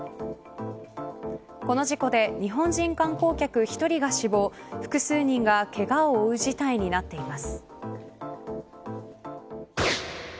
この事故で日本人観光客１人が死亡複数人がけがを負う事態になっています。